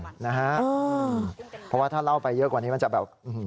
เพราะว่าถ้าเล่าไปเยอะกว่านี้มันจะแบบ